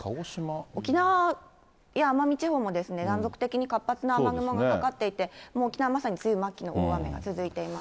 沖縄や奄美地方も断続的に活発な雨雲がかかっていて、沖縄まさに梅雨末期の大雨が続いています。